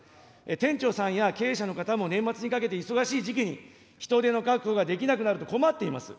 店長さんや経営者の方も年末にかけて忙しい時期に、人手の確保ができなくなると、困っています。